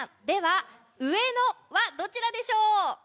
では、うえのはどちらでしょう？